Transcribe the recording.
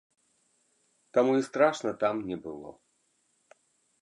Таму і страшна там не было.